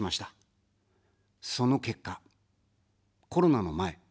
その結果、コロナの前。